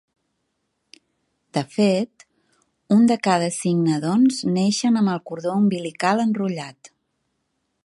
De fet, un de cada cinc nadons neixen amb el cordó umbilical enrotllat.